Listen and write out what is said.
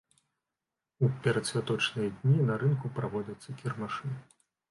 У перадсвяточныя дні на рынку праводзяцца кірмашы.